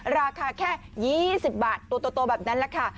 ราคาแค่๒๐บาทตัวโตแบบนั้นแหละค่ะ